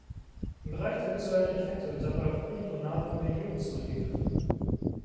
Im Bereich der visuellen Effekte wird dabei auf polygonale Modellierung zurückgegriffen.